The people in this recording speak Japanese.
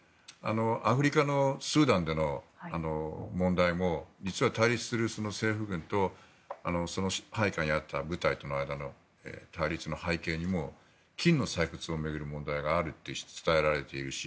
アフリカのスーダンでの問題も実は対立する政府軍と配下にあった部隊との間の対立の背景にも金の採掘を巡る問題があると伝えられているし